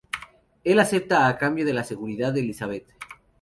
Él acepta a cambio de la seguridad de Elizabeth.